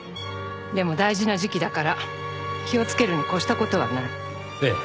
でも大事な時期だから気をつけるに越した事はない。